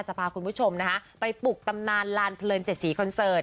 จะพาคุณผู้ชมนะคะไปปลุกตำนานลานเพลิน๗สีคอนเสิร์ต